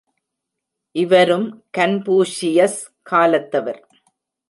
இவரும் கன்பூஷியஸ் காலத்தவர்.